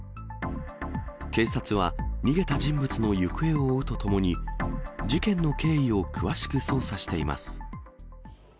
警察は、逃げた人物の行方を追うとともに、事件の経緯を詳しく捜査しています。